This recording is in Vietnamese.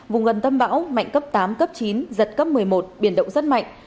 vùng gần tâm bão mạnh cấp tám cấp chín giật cấp một mươi một biển động rất mạnh